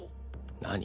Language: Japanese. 何？